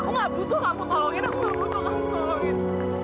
aku gak butuh kamu tolongin aku gak butuh kamu tolongin